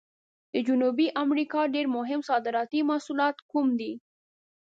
د جنوبي امریکا ډېر مهم صادراتي محصولات کوم دي؟